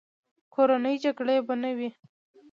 کورنۍ جګړې به نه وې.